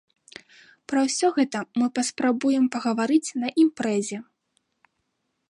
Пра ўсё гэта мы паспрабуем пагаварыць на імпрэзе.